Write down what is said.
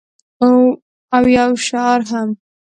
او یو شعار هم